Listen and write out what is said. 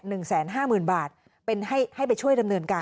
หนึ่งแสนห้าหมื่นบาทเป็นให้ให้ไปช่วยดำเนินการ